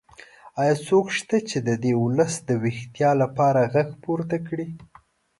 ایا څوک شته چې د دې ولس د ویښتیا لپاره غږ پورته کړي؟